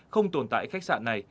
không tồn tại khách sạn này